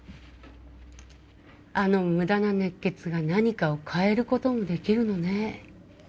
あのムダな熱血が何かを変えることもできるのね